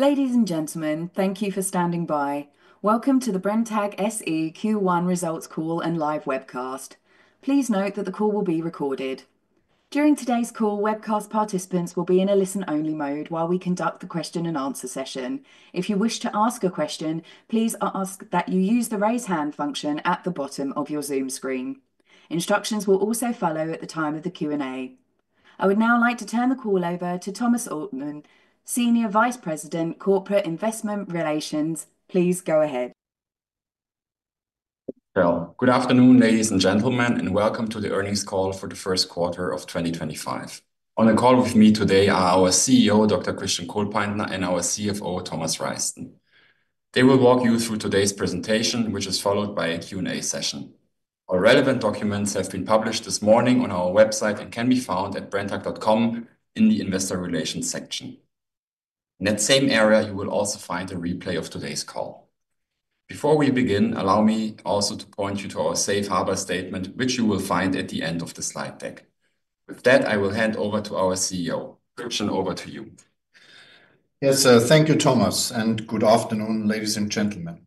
Ladies and gentlemen, thank you for standing by. Welcome to the Brenntag SE Q1 Results Call and Live Webcast. Please note that the call will be recorded. During today's call, webcast participants will be in a listen-only mode while we conduct the question-and-answer session. If you wish to ask a question, please use the raise hand function at the bottom of your Zoom screen. Instructions will also follow at the time of the Q&A. I would now like to turn the call over to Thomas Altmann, Senior Vice President, Corporate Investor Relations. Please go ahead. Good afternoon, ladies and gentlemen, and welcome to the earnings call for the first quarter of 2025. On the call with me today are our CEO, Dr. Christian Kohlpaintner, and our CFO, Thomas Reisten. They will walk you through today's presentation, which is followed by a Q&A session. Our relevant documents have been published this morning on our website and can be found at brenntag.com in the Investor Relations section. In that same area, you will also find a replay of today's call. Before we begin, allow me also to point you to our Safe Harbor statement, which you will find at the end of the slide deck. With that, I will hand over to our CEO. Christian, over to you. Yes, thank you, Thomas, and good afternoon, ladies and gentlemen.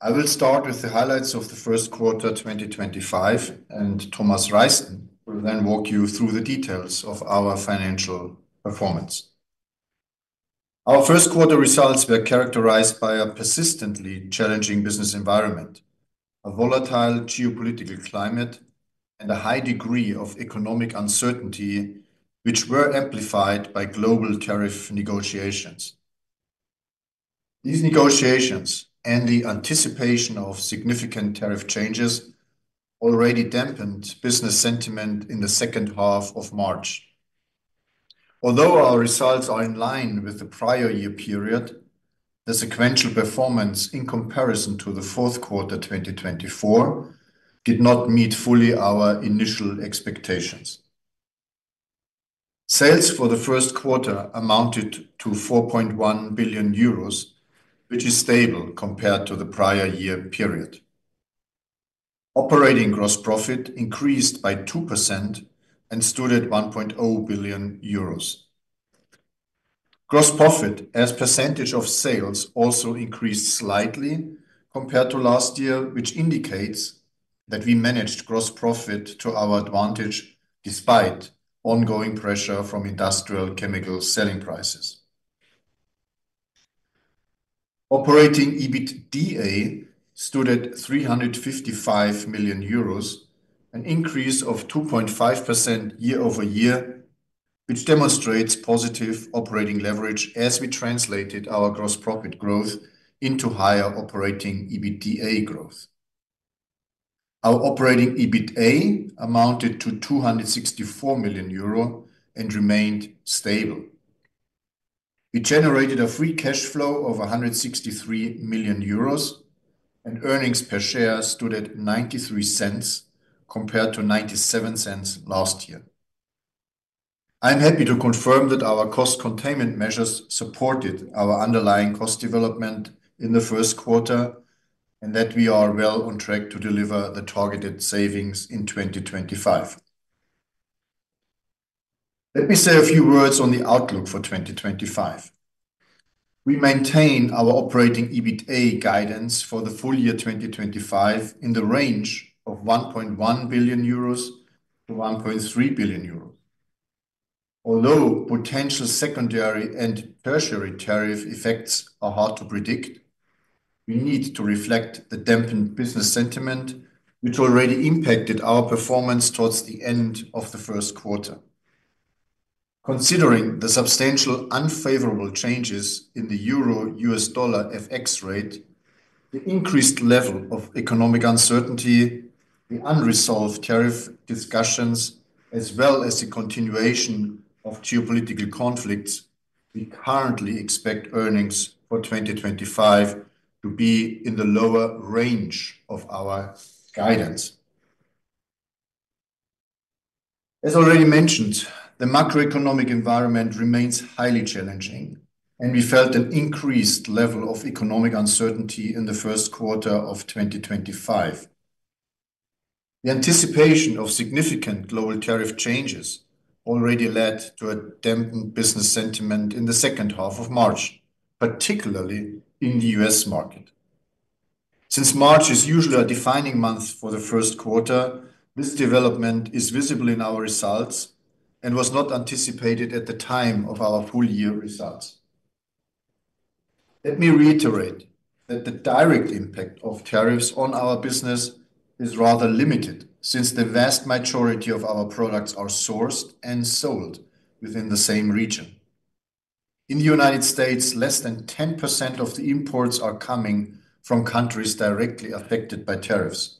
I will start with the highlights of the first quarter 2025, and Thomas Reisten will then walk you through the details of our financial performance. Our first quarter results were characterized by a persistently challenging business environment, a volatile geopolitical climate, and a high degree of economic uncertainty, which were amplified by global tariff negotiations. These negotiations and the anticipation of significant tariff changes already dampened business sentiment in the second half of March. Although our results are in line with the prior year period, the sequential performance in comparison to the fourth quarter 2024 did not meet fully our initial expectations. Sales for the first quarter amounted to 4.1 billion euros, which is stable compared to the prior year period. Operating gross profit increased by 2% and stood at 1.0 billion euros. Gross profit as percentage of sales also increased slightly compared to last year, which indicates that we managed gross profit to our advantage despite ongoing pressure from industrial chemical selling prices. Operating EBITDA stood at 355 million euros, an increase of 2.5% year-over-year, which demonstrates positive operating leverage as we translated our gross profit growth into higher operating EBITDA growth. Our operating EBITA amounted to 264 million euro and remained stable. We generated a free cash flow of 163 million euros, and earnings per share stood at $0.93 compared to $0.97 last year. I'm happy to confirm that our cost containment measures supported our underlying cost development in the first quarter and that we are well on track to deliver the targeted savings in 2025. Let me say a few words on the outlook for 2025. We maintain our operating EBITA guidance for the full year 2025 in the range of 1.1 billion-1.3 billion euros. Although potential secondary and tertiary tariff effects are hard to predict, we need to reflect the dampened business sentiment, which already impacted our performance towards the end of the first quarter. Considering the substantial unfavorable changes in the EUR/USD FX rate, the increased level of economic uncertainty, the unresolved tariff discussions, as well as the continuation of geopolitical conflicts, we currently expect earnings for 2025 to be in the lower range of our guidance. As already mentioned, the macroeconomic environment remains highly challenging, and we felt an increased level of economic uncertainty in the first quarter of 2025. The anticipation of significant global tariff changes already led to a dampened business sentiment in the second half of March, particularly in the U.S. market. Since March is usually a defining month for the first quarter, this development is visible in our results and was not anticipated at the time of our full year results. Let me reiterate that the direct impact of tariffs on our business is rather limited since the vast majority of our products are sourced and sold within the same region. In the U.S., less than 10% of the imports are coming from countries directly affected by tariffs.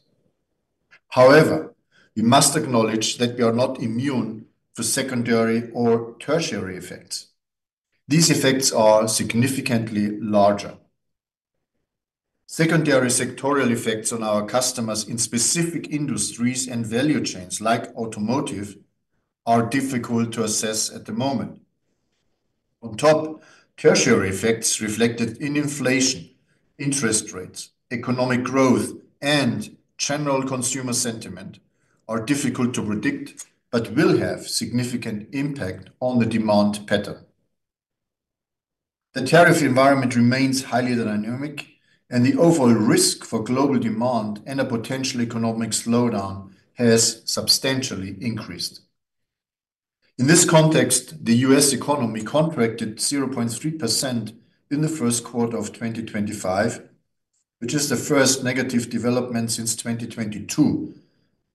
However, we must acknowledge that we are not immune to secondary or tertiary effects. These effects are significantly larger. Secondary sectorial effects on our customers in specific industries and value chains like automotive are difficult to assess at the moment. On top, tertiary effects reflected in inflation, interest rates, economic growth, and general consumer sentiment are difficult to predict but will have a significant impact on the demand pattern. The tariff environment remains highly dynamic, and the overall risk for global demand and a potential economic slowdown has substantially increased. In this context, the U.S. economy contracted 0.3% in the first quarter of 2025, which is the first negative development since 2022,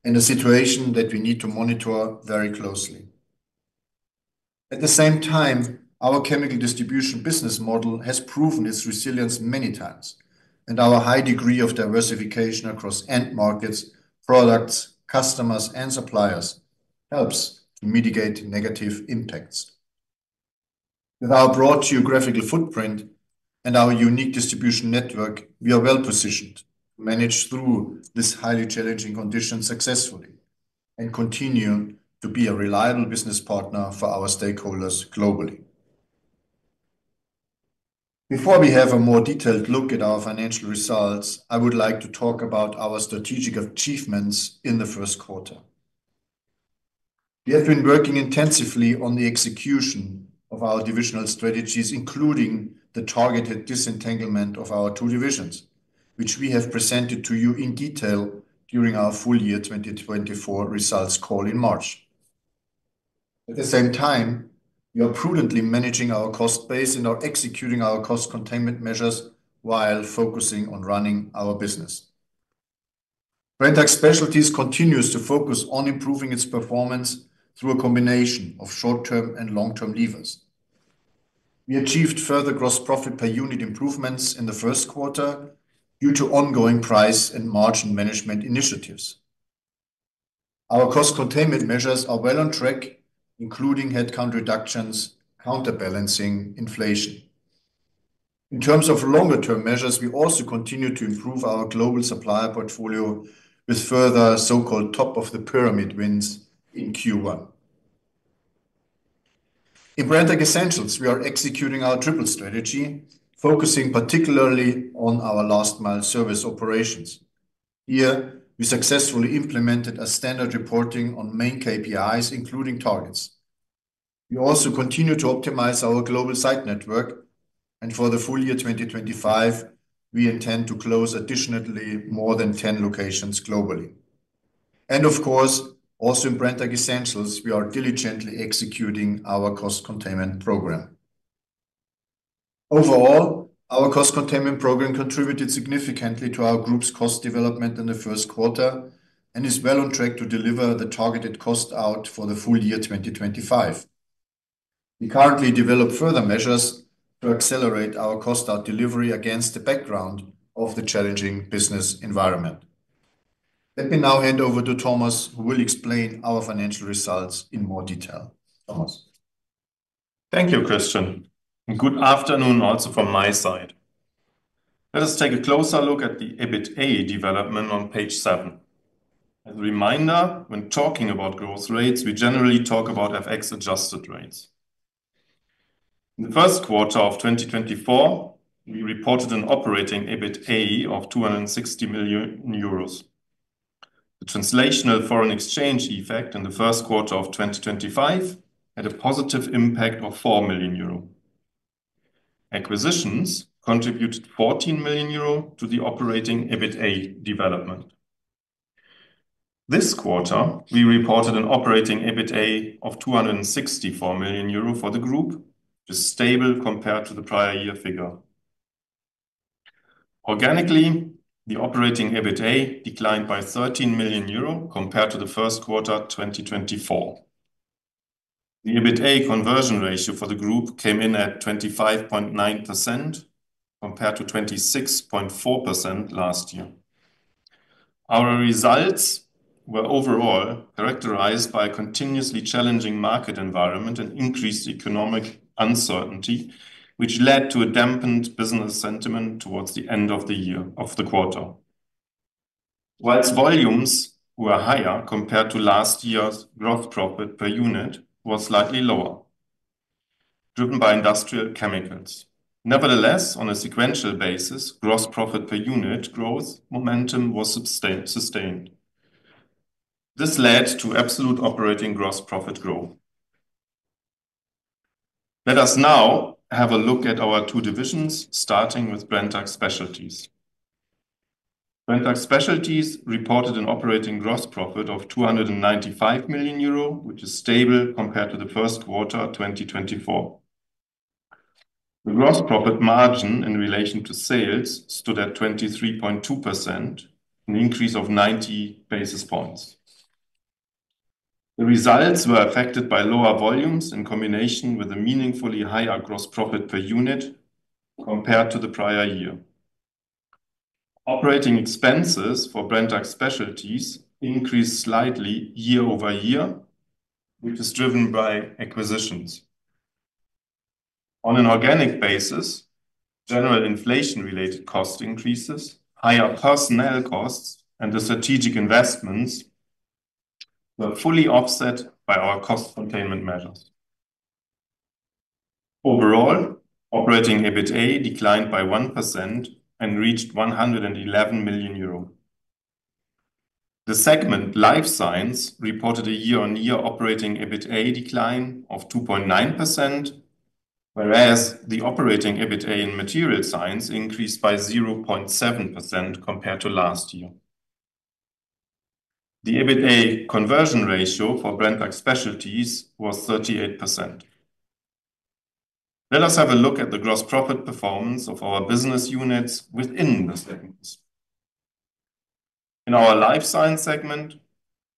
and a situation that we need to monitor very closely. At the same time, our chemical distribution business model has proven its resilience many times, and our high degree of diversification across end markets, products, customers, and suppliers helps to mitigate negative impacts. With our broad geographical footprint and our unique distribution network, we are well positioned to manage through this highly challenging condition successfully and continue to be a reliable business partner for our stakeholders globally. Before we have a more detailed look at our financial results, I would like to talk about our strategic achievements in the first quarter. We have been working intensively on the execution of our divisional strategies, including the targeted disentanglement of our two divisions, which we have presented to you in detail during our full year 2024 results call in March. At the same time, we are prudently managing our cost base and are executing our cost containment measures while focusing on running our business. Brenntag Specialties continues to focus on improving its performance through a combination of short-term and long-term levers. We achieved further gross profit per unit improvements in the first quarter due to ongoing price and margin management initiatives. Our cost containment measures are well on track, including headcount reductions, counterbalancing inflation. In terms of longer-term measures, we also continue to improve our global supplier portfolio with further so-called top-of-the-pyramid wins in Q1. In Brenntag Essentials, we are executing our triple strategy, focusing particularly on our last-mile service operations. Here, we successfully implemented a standard reporting on main KPIs, including targets. We also continue to optimize our global site network, and for the full year 2025, we intend to close additionally more than 10 locations globally. Of course, also in Brenntag Essentials, we are diligently executing our cost containment program. Overall, our cost containment program contributed significantly to our group's cost development in the first quarter and is well on track to deliver the targeted cost out for the full year 2025. We currently develop further measures to accelerate our cost out delivery against the background of the challenging business environment. Let me now hand over to Thomas, who will explain our financial results in more detail. Thomas. Thank you, Christian. Good afternoon also from my side. Let us take a closer look at the EBITA development on page seven. As a reminder, when talking about growth rates, we generally talk about FX-adjusted rates. In the first quarter of 2024, we reported an operating EBITA of 260 million euros. The translational foreign exchange effect in the first quarter of 2025 had a positive impact of 4 million euro. Acquisitions contributed 14 million euro to the operating EBITA development. This quarter, we reported an operating EBITA of 264 million euro for the group, which is stable compared to the prior year figure. Organically, the operating EBITA declined by 13 million euro compared to the first quarter 2024. The EBITA conversion ratio for the group came in at 25.9% compared to 26.4% last year. Our results were overall characterized by a continuously challenging market environment and increased economic uncertainty, which led to a dampened business sentiment towards the end of the quarter. While volumes were higher compared to last year's, gross profit per unit was slightly lower, driven by industrial chemicals. Nevertheless, on a sequential basis, gross profit per unit growth momentum was sustained. This led to absolute operating gross profit growth. Let us now have a look at our two divisions, starting with Brenntag Specialties. Brenntag Specialties reported an operating gross profit of 295 million euro, which is stable compared to the first quarter 2024. The gross profit margin in relation to sales stood at 23.2%, an increase of 90 basis points. The results were affected by lower volumes in combination with a meaningfully higher gross profit per unit compared to the prior year. Operating expenses for Brenntag Specialties increased slightly year-over-year, which is driven by acquisitions. On an organic basis, general inflation-related cost increases, higher personnel costs, and the strategic investments were fully offset by our cost containment measures. Overall, operating EBITA declined by 1% and reached 111 million euro. The segment life science reported a year-on-year operating EBITA decline of 2.9%, whereas the operating EBITA in material science increased by 0.7% compared to last year. The EBITA conversion ratio for Brenntag Specialties was 38%. Let us have a look at the gross profit performance of our business units within the segments. In our life science segment,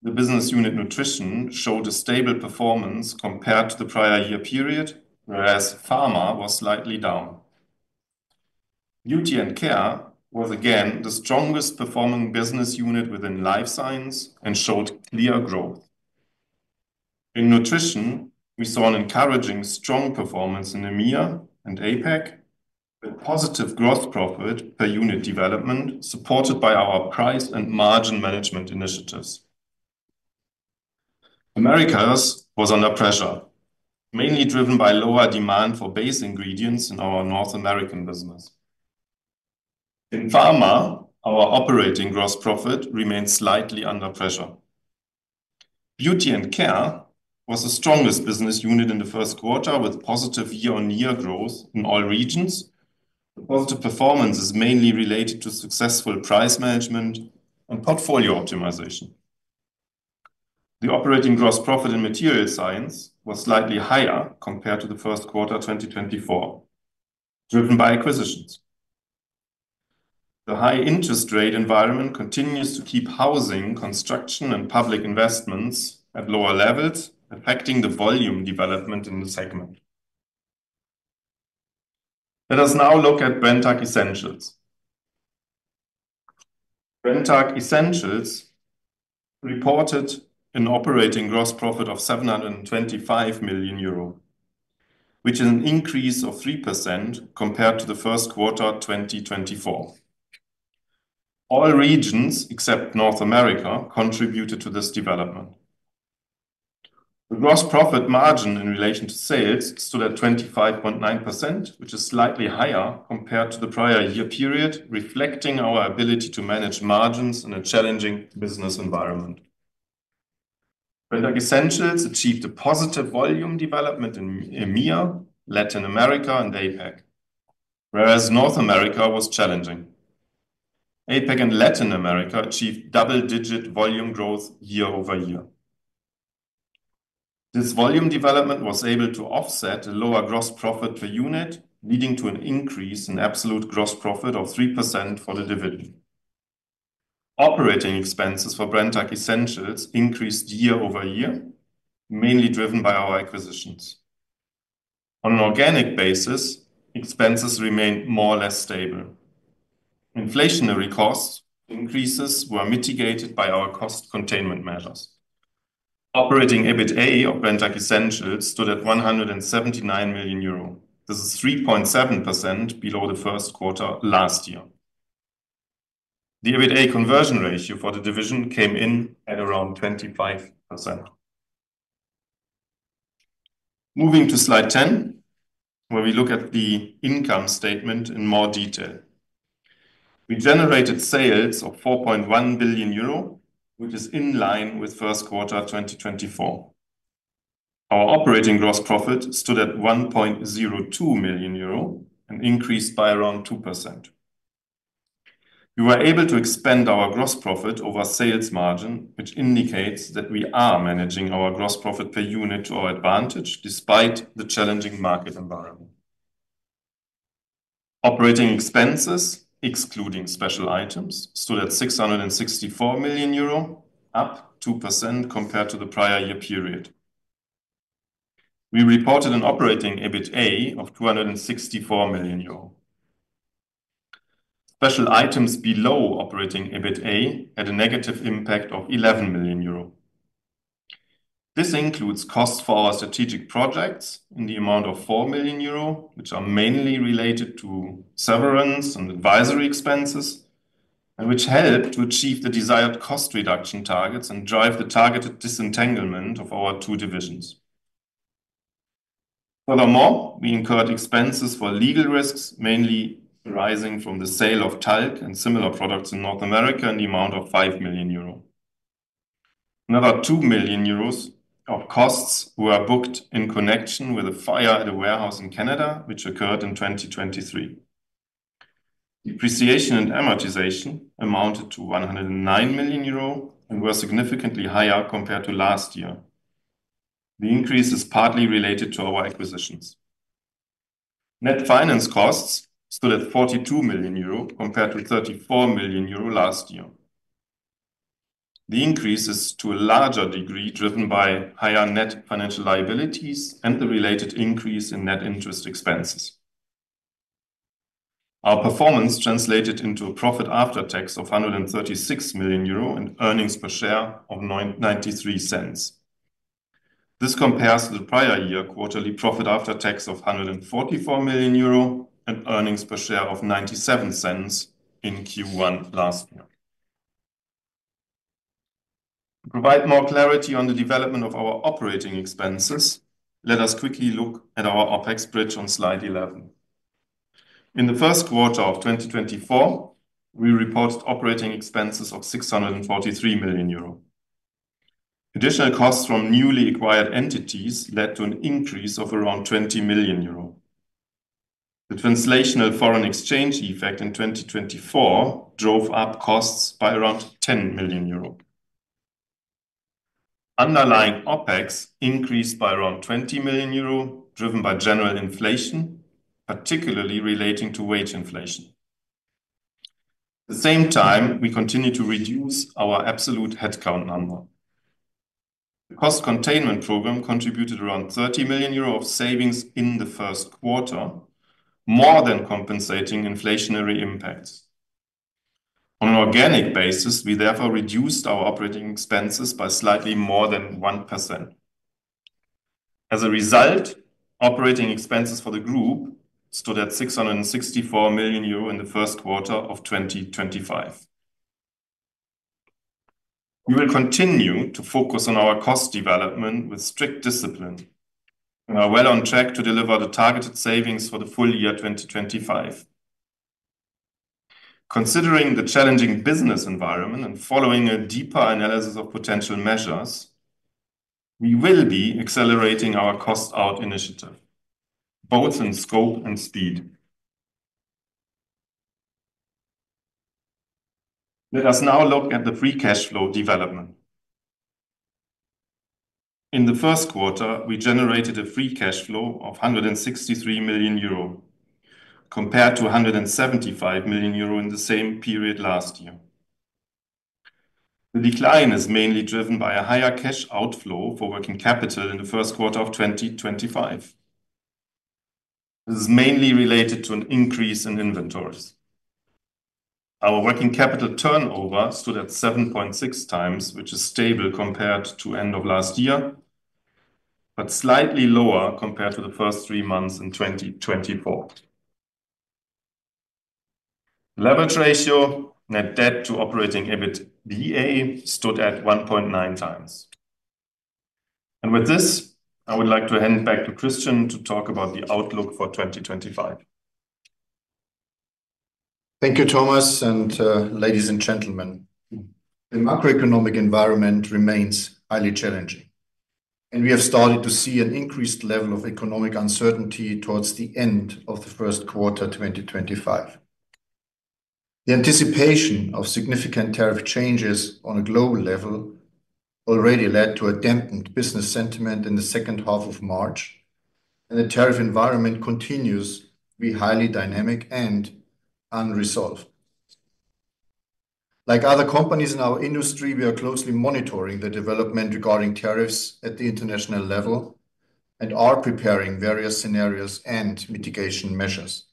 the business unit nutrition showed a stable performance compared to the prior year period, whereas pharma was slightly down. Beauty and care was again the strongest-performing business unit within life science and showed clear growth. In nutrition, we saw an encouraging strong performance in EMEA and APEC, with positive gross profit per unit development supported by our price and margin management initiatives. Americas was under pressure, mainly driven by lower demand for base ingredients in our North American business. In pharma, our operating gross profit remained slightly under pressure. Beauty and care was the strongest business unit in the first quarter, with positive year-on-year growth in all regions. The positive performance is mainly related to successful price management and portfolio optimization. The operating gross profit in material science was slightly higher compared to the first quarter 2024, driven by acquisitions. The high interest rate environment continues to keep housing, construction, and public investments at lower levels, affecting the volume development in the segment. Let us now look at Brenntag Essentials. Brenntag Essentials reported an operating gross profit of 725 million euro, which is an increase of 3% compared to the first quarter 2024. All regions except North America contributed to this development. The gross profit margin in relation to sales stood at 25.9%, which is slightly higher compared to the prior year period, reflecting our ability to manage margins in a challenging business environment. Brenntag Essentials achieved a positive volume development in EMEA, Latin America, and APEC, whereas North America was challenging. APEC and Latin America achieved double-digit volume growth year-over-year. This volume development was able to offset a lower gross profit per unit, leading to an increase in absolute gross profit of 3% for the division. Operating expenses for Brenntag Essentials increased year-over-year, mainly driven by our acquisitions. On an organic basis, expenses remained more or less stable. Inflationary cost increases were mitigated by our cost containment measures. Operating EBITA of Brenntag Essentials stood at 179 million euro. This is 3.7% below the first quarter last year. The EBITA conversion ratio for the division came in at around 25%. Moving to slide 10, where we look at the income statement in more detail. We generated sales of 4.1 billion euro, which is in line with first quarter 2024. Our operating gross profit stood at 1.02 billion euro and increased by around 2%. We were able to expand our gross profit over sales margin, which indicates that we are managing our gross profit per unit to our advantage despite the challenging market environment. Operating expenses, excluding special items, stood at 664 million euro, up 2% compared to the prior year period. We reported an operating EBITA of 264 million euro. Special items below operating EBITA had a negative impact of 11 million euro. This includes costs for our strategic projects in the amount of 4 million euro, which are mainly related to severance and advisory expenses, and which helped to achieve the desired cost reduction targets and drive the targeted disentanglement of our two divisions. Furthermore, we incurred expenses for legal risks, mainly arising from the sale of talc and similar products in North America in the amount of 5 million euro. Another 2 million euros of costs were booked in connection with a fire at a warehouse in Canada, which occurred in 2023. Depreciation and amortization amounted to 109 million euro and were significantly higher compared to last year. The increase is partly related to our acquisitions. Net finance costs stood at 42 million euro compared to 34 million euro last year. The increase is to a larger degree driven by higher net financial liabilities and the related increase in net interest expenses. Our performance translated into a profit after tax of 136 million euro and earnings per share of 0.93. This compares to the prior year quarterly profit after tax of 144 million euro and earnings per share of 0.97 in Q1 last year. To provide more clarity on the development of our operating expenses, let us quickly look at our OPEX bridge on slide 11. In the first quarter of 2024, we reported operating expenses of 643 million euro. Additional costs from newly acquired entities led to an increase of around 20 million euro. The translational foreign exchange effect in 2024 drove up costs by around 10 million euro. Underlying OPEX increased by around 20 million euro, driven by general inflation, particularly relating to wage inflation. At the same time, we continue to reduce our absolute headcount number. The cost containment program contributed around 30 million euro of savings in the first quarter, more than compensating inflationary impacts. On an organic basis, we therefore reduced our operating expenses by slightly more than 1%. As a result, operating expenses for the group stood at 664 million euro in the first quarter of 2025. We will continue to focus on our cost development with strict discipline and are well on track to deliver the targeted savings for the full year 2025. Considering the challenging business environment and following a deeper analysis of potential measures, we will be accelerating our cost out initiative, both in scope and speed. Let us now look at the free cash flow development. In the first quarter, we generated a free cash flow of 163 million euro compared to 175 million euro in the same period last year. The decline is mainly driven by a higher cash outflow for working capital in the first quarter of 2025. This is mainly related to an increase in inventories. Our working capital turnover stood at 7.6 times, which is stable compared to the end of last year, but slightly lower compared to the first three months in 2024. Leverage ratio net debt to operating EBITA stood at 1.9 times. With this, I would like to hand back to Christian to talk about the outlook for 2025. Thank you, Thomas, and ladies and gentlemen. The macroeconomic environment remains highly challenging, and we have started to see an increased level of economic uncertainty towards the end of the first quarter 2025. The anticipation of significant tariff changes on a global level already led to a dampened business sentiment in the second half of March, and the tariff environment continues to be highly dynamic and unresolved. Like other companies in our industry, we are closely monitoring the development regarding tariffs at the international level and are preparing various scenarios and mitigation measures.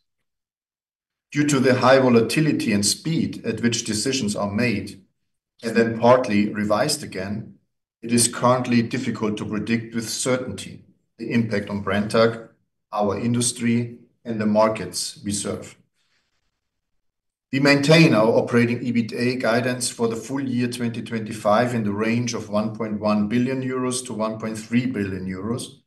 Due to the high volatility and speed at which decisions are made and then partly revised again, it is currently difficult to predict with certainty the impact on Brenntag, our industry, and the markets we serve. We maintain our operating EBITA guidance for the full year 2025 in the range of 1.1 billion-1.3 billion euros.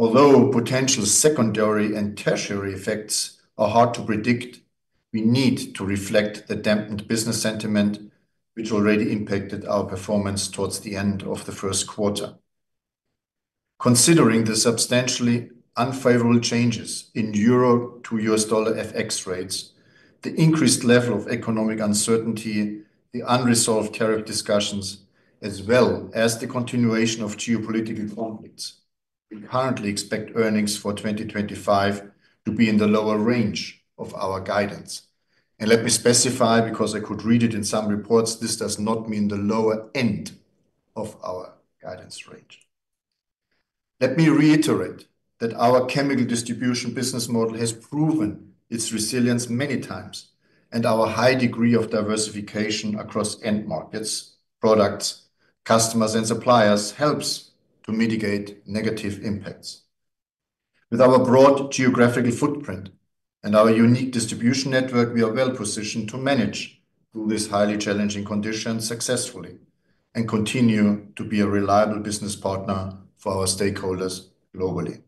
Although potential secondary and tertiary effects are hard to predict, we need to reflect the dampened business sentiment, which already impacted our performance towards the end of the first quarter. Considering the substantially unfavorable changes in euro to US dollar FX rates, the increased level of economic uncertainty, the unresolved tariff discussions, as well as the continuation of geopolitical conflicts, we currently expect earnings for 2025 to be in the lower range of our guidance. Let me specify, because I could read it in some reports, this does not mean the lower end of our guidance range. Let me reiterate that our chemical distribution business model has proven its resilience many times, and our high degree of diversification across end markets, products, customers, and suppliers helps to mitigate negative impacts. With our broad geographical footprint and our unique distribution network, we are well positioned to manage through these highly challenging conditions successfully and continue to be a reliable business partner for our stakeholders globally.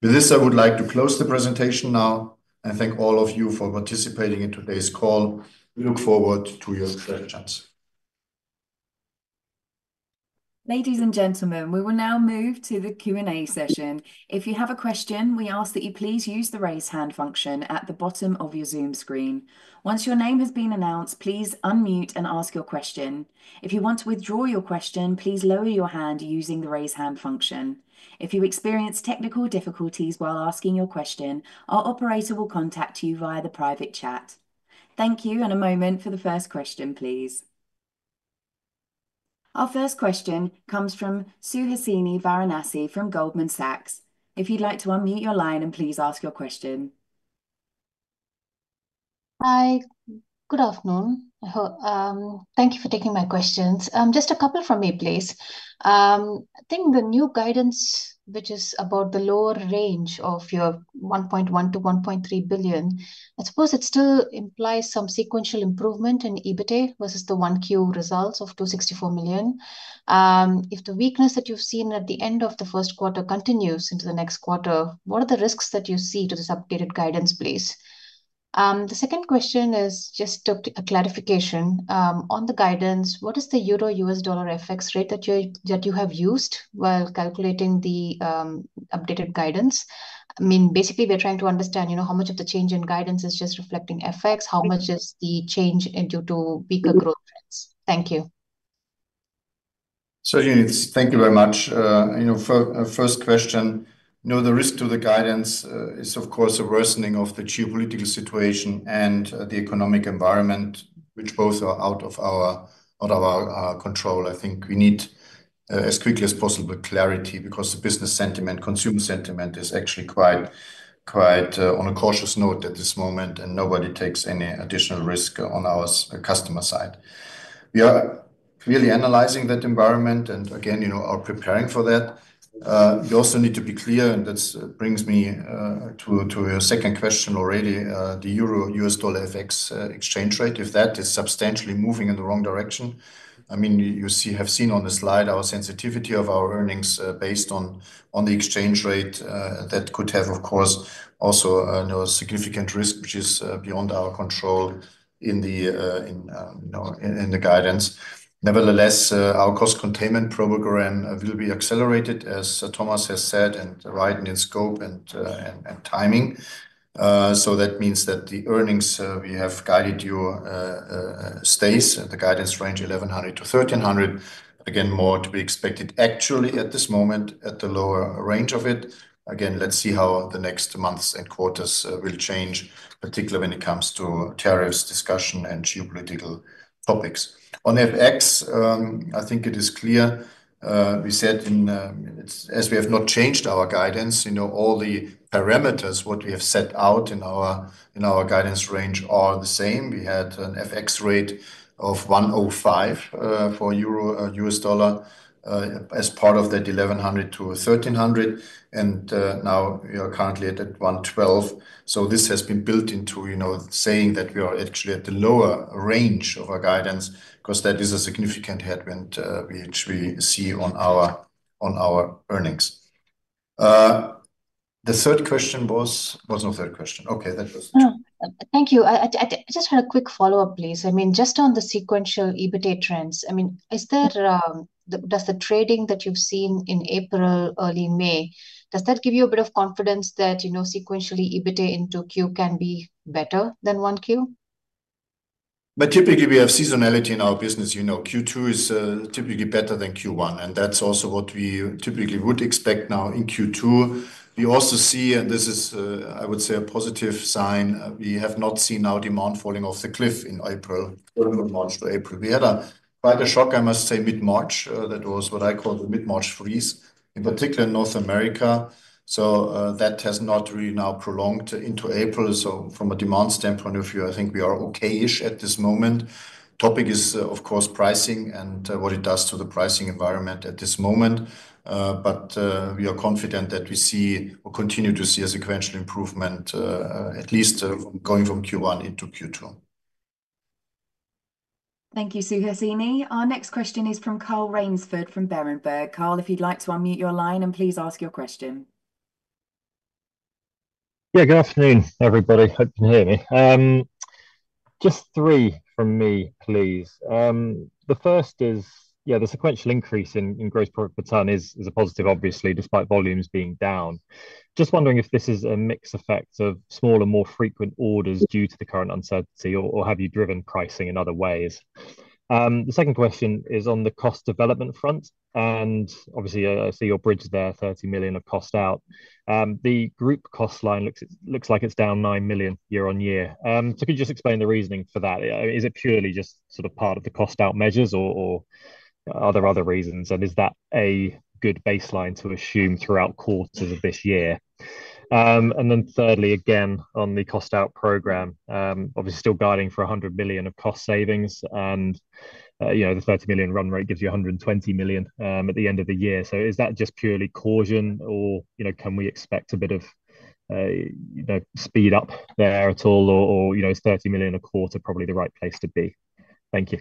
With this, I would like to close the presentation now and thank all of you for participating in today's call. We look forward to your questions. Ladies and gentlemen, we will now move to the Q&A session. If you have a question, we ask that you please use the raise hand function at the bottom of your Zoom screen. Once your name has been announced, please unmute and ask your question. If you want to withdraw your question, please lower your hand using the raise hand function. If you experience technical difficulties while asking your question, our operator will contact you via the private chat. Thank you, and a moment for the first question, please. Our first question comes from Suhasini Varanasi from Goldman Sachs. If you'd like to unmute your line and please ask your question. Hi, good afternoon. Thank you for taking my questions. Just a couple from me, please. I think the new guidance, which is about the lower range of your 1.1 billion-1.3 billion, I suppose it still implies some sequential improvement in EBITA versus the Q1 results of 264 million. If the weakness that you've seen at the end of the first quarter continues into the next quarter, what are the risks that you see to this updated guidance, please? The second question is just a clarification on the guidance. What is the euro US dollar FX rate that you have used while calculating the updated guidance? I mean, basically, we're trying to understand, you know, how much of the change in guidance is just reflecting FX? How much is the change due to weaker growth trends? Thank you. Yes, thank you very much. You know, first question, you know, the risk to the guidance is, of course, a worsening of the geopolitical situation and the economic environment, which both are out of our control. I think we need, as quickly as possible, clarity because the business sentiment, consumer sentiment, is actually quite, quite on a cautious note at this moment, and nobody takes any additional risk on our customer side. We are clearly analyzing that environment, and again, you know, are preparing for that. We also need to be clear, and that brings me to your second question already, the euro US dollar FX exchange rate, if that is substantially moving in the wrong direction. I mean, you have seen on the slide our sensitivity of our earnings based on the exchange rate. That could have, of course, also a significant risk, which is beyond our control in the, you know, in the guidance. Nevertheless, our cost containment program will be accelerated, as Thomas has said, and right in scope and timing. That means that the earnings we have guided you stays at the guidance range 1,100 million-1,300 million, again, more to be expected actually at this moment at the lower range of it. Again, let's see how the next months and quarters will change, particularly when it comes to tariffs discussion and geopolitical topics. On FX, I think it is clear we said in, as we have not changed our guidance, you know, all the parameters, what we have set out in our guidance range are the same. We had an FX rate of 1.05 for euro US dollar as part of that 1,100-EUR1,300, and now we are currently at 1.12. So this has been built into, you know, saying that we are actually at the lower range of our guidance because that is a significant headwind which we see on our earnings. The third question was, was no third question. Okay, that was. Thank you. I just had a quick follow-up, please. I mean, just on the sequential EBITA trends, I mean, is there, does the trading that you've seen in April, early May, does that give you a bit of confidence that, you know, sequentially EBITA into Q can be better than one Q? But typically we have seasonality in our business. You know, Q2 is typically better than Q1, and that's also what we typically would expect now in Q2. We also see, and this is, I would say, a positive sign. We have not seen our demand falling off the cliff in April, from March to April. We had quite a shock, I must say, mid-March. That was what I called the mid-March freeze, in particular in North America. That has not really now prolonged into April. From a demand standpoint of view, I think we are okay-ish at this moment. Topic is, of course, pricing and what it does to the pricing environment at this moment. We are confident that we see or continue to see a sequential improvement, at least going from Q1 into Q2. Thank you, Suhasini. Our next question is from Carl Raynsford from Berenberg. Carl, if you'd like to unmute your line and please ask your question. Yeah, good afternoon, everybody. Hope you can hear me. Just three from me, please. The first is, yeah, the sequential increase in gross profit per ton is a positive, obviously, despite volumes being down. Just wondering if this is a mix effect of smaller, more frequent orders due to the current uncertainty or have you driven pricing in other ways? The second question is on the cost development front. Obviously, I see your bridge there, 30 million of cost out. The group cost line looks like it is down 9 million year on year. Could you just explain the reasoning for that? Is it purely just sort of part of the cost out measures or are there other reasons? Is that a good baseline to assume throughout quarters of this year? Thirdly, again, on the cost out program, obviously still guiding for 100 million of cost savings. You know, the 30 million run rate gives you 120 million at the end of the year. Is that just purely caution or, you know, can we expect a bit of, you know, speed up there at all or, you know, is 30 million a quarter probably the right place to be? Thank you.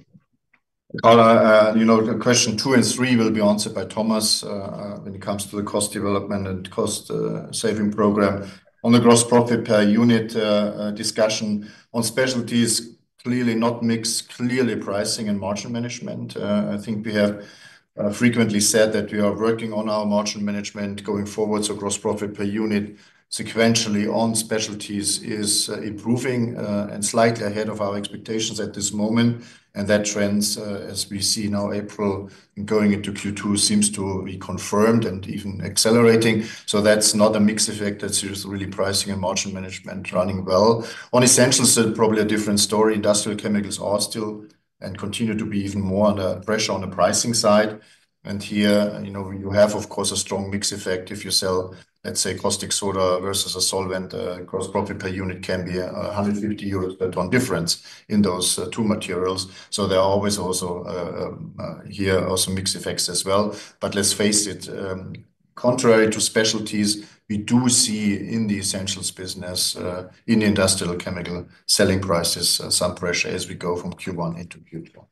Question two and three will be answered by Thomas when it comes to the cost development and cost saving program. On the gross profit per unit discussion on specialties, clearly not mixed, clearly pricing and margin management. I think we have frequently said that we are working on our margin management going forward. Gross profit per unit sequentially on specialties is improving and slightly ahead of our expectations at this moment. That trend, as we see now, April and going into Q2, seems to be confirmed and even accelerating. That is not a mixed effect, that is just really pricing and margin management running well. On Essentials, it is probably a different story. Industrial chemicals are still and continue to be even more under pressure on the pricing side. Here, you know, you have, of course, a strong mixed effect. If you sell, let us say, caustic soda versus a solvent, gross profit per unit can be 150 euros per ton difference in those two materials. There are always also here also mixed effects as well. Let us face it, contrary to Specialties, we do see in the Essentials business, in the industrial chemical selling prices, some pressure as we go from Q1 into Q2.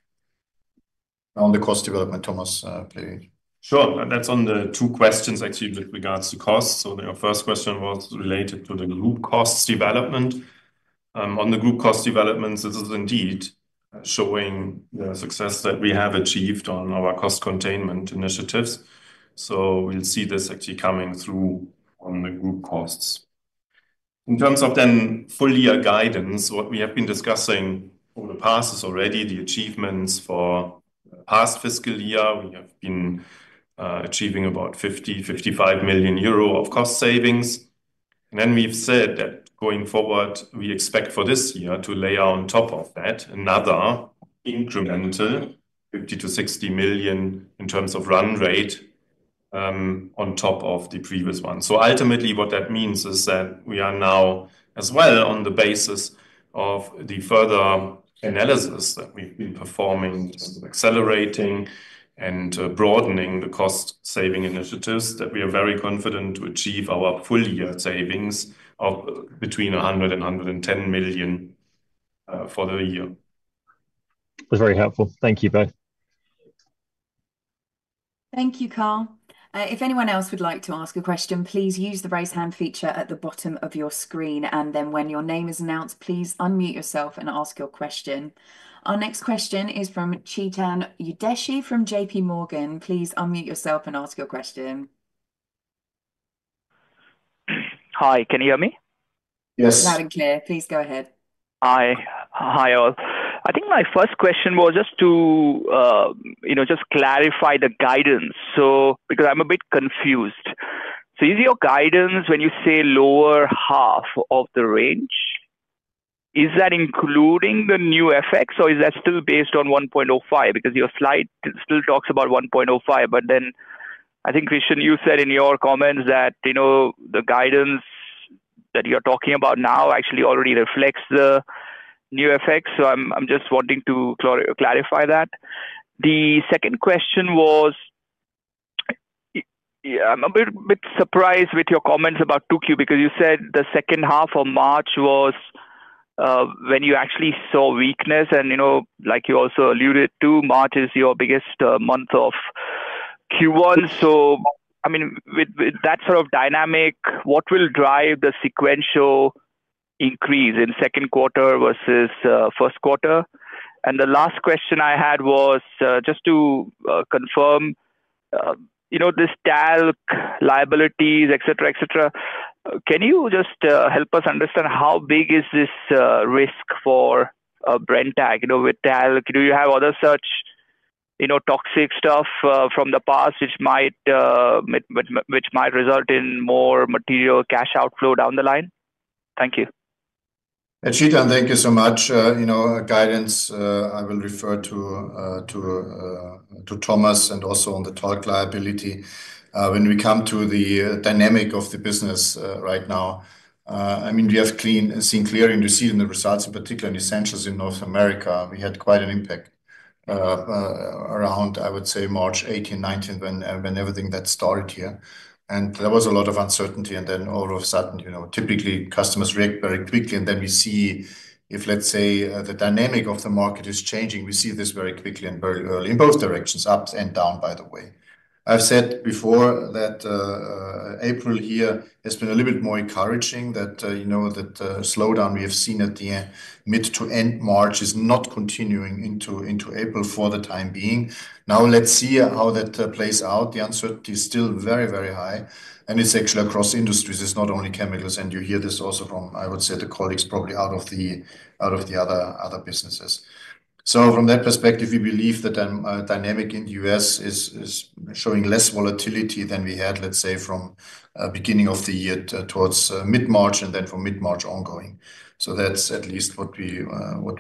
On the cost development, Thomas, please. Sure, that is on the two questions actually with regards to costs. The first question was related to the group cost development. On the group cost developments, this is indeed showing the success that we have achieved on our cost containment initiatives. We will see this actually coming through on the group costs. In terms of then full year guidance, what we have been discussing for the past is already the achievements for past fiscal year. We have been achieving about 50 million, 55 million euro of cost savings. We have said that going forward, we expect for this year to lay on top of that another incremental 50 million-60 million in terms of run rate on top of the previous one. Ultimately, what that means is that we are now as well on the basis of the further analysis that we have been performing in terms of accelerating and broadening the cost saving initiatives that we are very confident to achieve our full year savings of between 100 million and 110 million for the year. That is very helpful. Thank you both. Thank you, Carl. If anyone else would like to ask a question, please use the raise hand feature at the bottom of your screen. When your name is announced, please unmute yourself and ask your question. Our next question is from Chetan Udeshi from JP Morgan. Please unmute yourself and ask your question. Hi, can you hear me? Yes. Loud and clear. Please go ahead. Hi, hi all. I think my first question was just to, you know, just clarify the guidance. Because I am a bit confused. Is your guidance when you say lower half of the range, is that including the new FX or is that still based on 1.05? Because your slide still talks about 1.05, but then I think, Christian, you said in your comments that, you know, the guidance that you're talking about now actually already reflects the new FX. I'm just wanting to clarify that. The second question was, yeah, I'm a bit surprised with your comments about 2Q because you said the second half of March was when you actually saw weakness. You know, like you also alluded to, March is your biggest month of Q1. I mean, with that sort of dynamic, what will drive the sequential increase in second quarter versus first quarter? The last question I had was just to confirm, you know, this talc liabilities, et cetera, et cetera. Can you just help us understand how big is this risk for Brenntag? You know, with talc, do you have other such, you know, toxic stuff from the past which might result in more material cash outflow down the line? Thank you. Chetan, thank you so much. You know, guidance, I will refer to Thomas and also on the talc liability. When we come to the dynamic of the business right now, I mean, we have seen clearly in the seed and the results in particular in Essentials in North America, we had quite an impact around, I would say, March 18, 19, when everything that started here. There was a lot of uncertainty. Then all of a sudden, you know, typically customers react very quickly. If, let's say, the dynamic of the market is changing, we see this very quickly and very early in both directions, up and down, by the way. I've said before that April here has been a little bit more encouraging, that, you know, that slowdown we have seen at the mid to end March is not continuing into April for the time being. Now let's see how that plays out. The uncertainty is still very, very high. It is actually across industries. It is not only chemicals. You hear this also from, I would say, the colleagues probably out of the other businesses. From that perspective, we believe that the dynamic in the U.S. is showing less volatility than we had, let's say, from the beginning of the year towards mid-March and then from mid-March ongoing. That's at least what we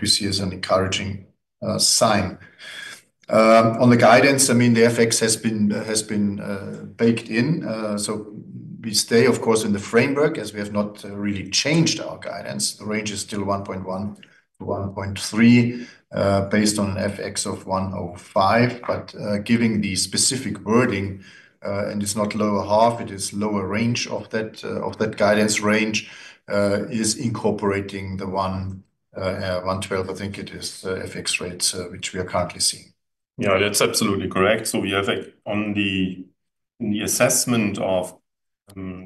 see as an encouraging sign. On the guidance, I mean, the FX has been baked in. We stay, of course, in the framework as we have not really changed our guidance. The range is still 1.1 billion-1.3 billion based on an FX of 1.05. Giving the specific wording, and it's not lower half, it is lower range of that guidance range is incorporating the 1.12, I think it is, FX rates which we are currently seeing. Yeah, that's absolutely correct. We have on the assessment of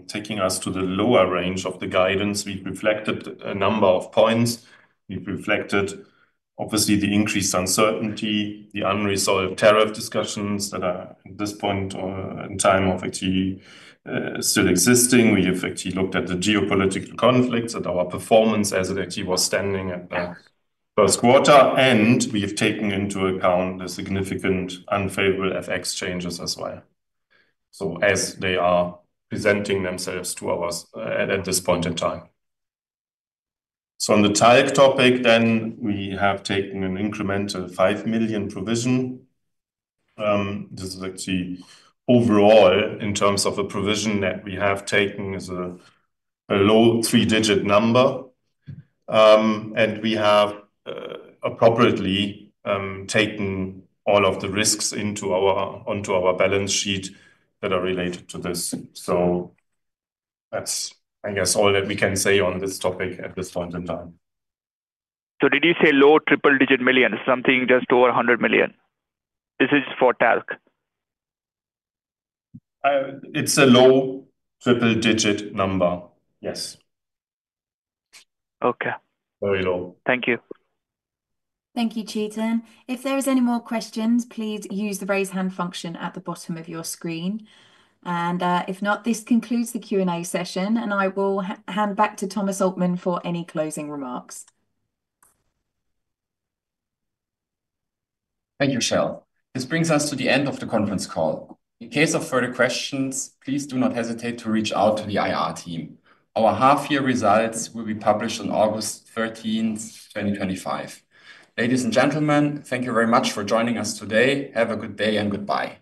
taking us to the lower range of the guidance, we've reflected a number of points. We've reflected obviously the increased uncertainty, the unresolved tariff discussions that are at this point in time of actually still existing. We have actually looked at the geopolitical conflicts and our performance as it actually was standing at the first quarter. We have taken into account the significant unfavorable FX changes as well, as they are presenting themselves to us at this point in time. On the talc topic, we have taken an incremental 5 million provision. This is actually overall, in terms of the provision that we have taken, a low three-digit number. We have appropriately taken all of the risks into our balance sheet that are related to this. That is, I guess, all that we can say on this topic at this point in time. Did you say low triple-digit million, something just over 100 million? This is for talc. It is a low triple-digit number. Yes. Okay. Very low. Thank you. Thank you, Chetan. If there's any more questions, please use the raise hand function at the bottom of your screen. If not, this concludes the Q&A session. I will hand back to Thomas Altmann for any closing remarks. Thank you, Michelle. This brings us to the end of the conference call. In case of further questions, please do not hesitate to reach out to the IR team. Our half-year results will be published on August 13th, 2025. Ladies and gentlemen, thank you very much for joining us today. Have a good day and goodbye. Thank you.